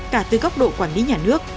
cả từ góc độ quản lý nhà nước